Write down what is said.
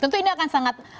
tentu ini akan sangat